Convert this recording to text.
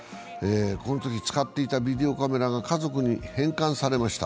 このとき使っていたビデオカメラが家族に返還されました。